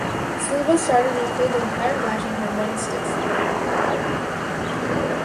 Silva started and played the entire match and had one assist.